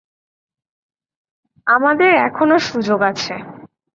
আমাদের এখনো সুযোগ আছে।